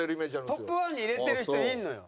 トップ１に入れてる人いるのよ。